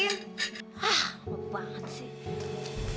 hah lebat banget sih